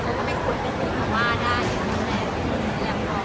จะได้ความรักคุณชอบแล้วก็ความรู้สึกที่มันจบจุดพอที่เขาให้แหล่ง